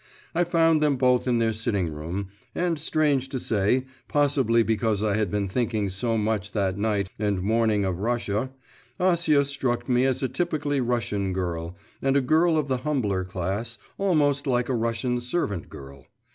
I found them both in their sitting room, and strange to say possibly because I had been thinking so much that night and morning of Russia Acia struck me as a typically Russian girl, and a girl of the humbler class, almost like a Russian servant girl.